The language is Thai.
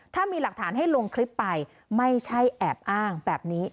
ถ้ามีหลักฐานให้ลงคลิปไปไม่ใช่แอบอ้างแบบนี้